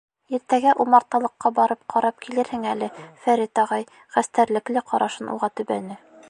Иртәгә умарталыҡҡа барып ҡарап килерһең әле, -Фәрит ағай хәстәрлекле ҡарашын уға төбәне.